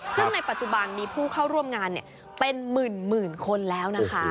ซึ่งในปัจจุบันมีผู้เข้าร่วมงานเป็นหมื่นคนแล้วนะคะ